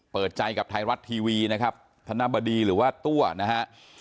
เปิดใจกับไทยรัฐทีวีนะครับธนบดีหรือว่าตัวนะฮะ